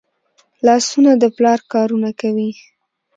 لاسونه د پلار کارونه کوي